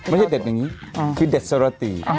ไม่ใช่เด็ดอย่างนี้คือเด็ดสรติ